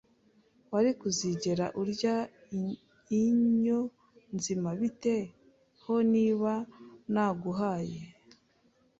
Wari kuzigera urya inyo nzima? Bite ho niba naguhaye $?